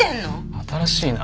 新しいな。